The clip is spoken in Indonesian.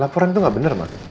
laporan itu enggak benar mak